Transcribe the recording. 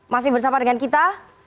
masih bersama dengan kita